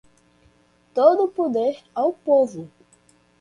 Todo poder ao povo.